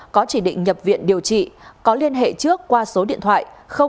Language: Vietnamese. có chỉ định nhập viện điều trị có liên hệ trước qua số điện thoại ba trăm tám mươi tám